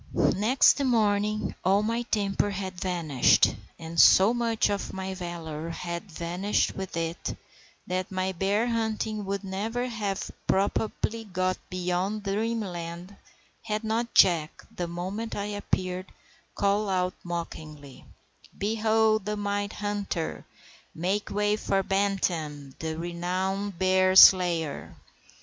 Next morning all my temper had vanished, and so much of my valour had vanished with it that my bear hunting would never have probably got beyond dreamland had not Jack, the moment I appeared, called out mockingly,— "Behold the mighty hunter! Make way for Bantam, the renowned bear slayer."